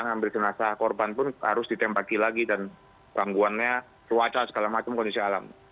ngambil jenazah korban pun harus ditembaki lagi dan gangguannya cuaca segala macam kondisi alam